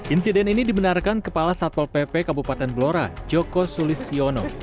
insiden ini dibenarkan kepala satpol pp kabupaten blora joko sulistiono